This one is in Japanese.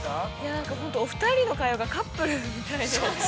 ◆なんかお二人の会話がカップルみたいで。